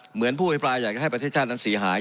เหมือนผู้อิปรายอยากให้ประชาชนั้นเสียหาย